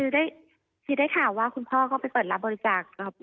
คือได้ข่าวว่าคุณพ่อก็ไปเปิดรับบริจาค